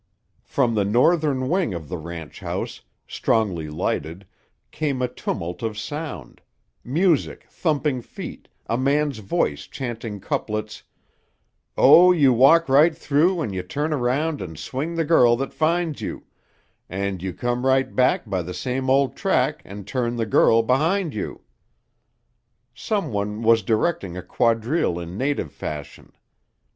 From the northern wing of the ranch house, strongly lighted, came a tumult of sound; music, thumping feet, a man's voice chanting couplets: "Oh, you walk right through and you turn around and swing the girl that finds you, And you come right back by the same old track and turn the girl behind you." Some one was directing a quadrille in native fashion.